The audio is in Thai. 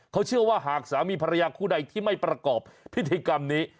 เขาเชื่อว่าหากสามีภรรยาคู่ใดที่ไม่ประกอบพิธีกรรมนี้